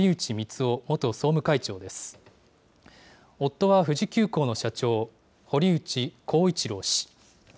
夫は富士急行の社長、堀内光一郎氏。